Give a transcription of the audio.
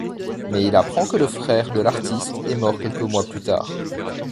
Mais il apprend que le frère de l'artiste est mort quelques mois plus tard.